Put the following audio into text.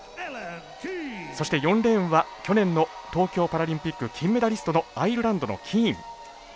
そして４レーンは去年の東京パラリンピック金メダリストのアイルランドのキーン。